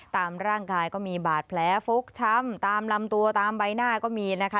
ตามร่างกายก็มีบาดแผลฟกช้ำตามลำตัวตามใบหน้าก็มีนะคะ